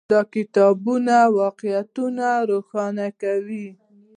دا مکاتبه واقعیتونه روښانه کوي.